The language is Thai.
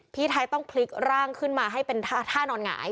พี่ไทยต้องพลิกร่างขึ้นมาให้เป็นท่านอนหงาย